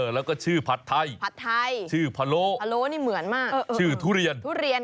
แล้วก็ชื่อผัดไทยผัดไทยชื่อพะโลพะโล้นี่เหมือนมากชื่อทุเรียนทุเรียน